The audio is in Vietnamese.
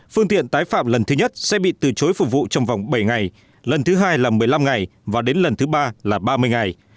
phương tiện tái phạm lần thứ nhất sẽ bị từ chối phục vụ trong vòng bảy ngày lần thứ hai là một mươi năm ngày và đến lần thứ ba là ba mươi ngày